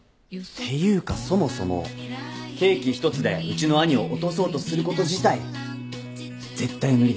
ていうかそもそもケーキ一つでうちの兄を落とそうとすること自体絶対無理ですよ。